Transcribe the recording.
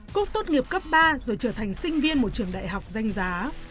cúc tốt nghiệp cấp ba rồi trở thành sinh viên một trường đại học danh giá